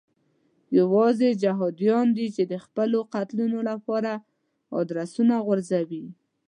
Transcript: یوازې جهادیان دي چې د خپلو قتلونو لپاره ادرسونه غورځوي.